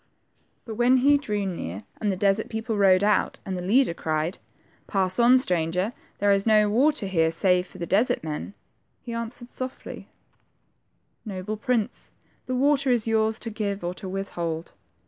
But when he drew near, and the desert people rode out, and the leader cried, Pass on, stranger, there is no water here save for the desert men," he an swered softly, — Noble prince, the water is yours' to give or to withhold.